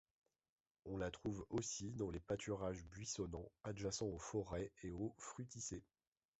On la trouve aussi dans les pâturages buissonnants adjacents aux forêts et aux fruticées.